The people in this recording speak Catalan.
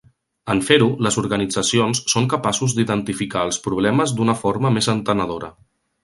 En fer-ho, les organitzacions són capaços d'identificar els problemes d'una forma més entenedora.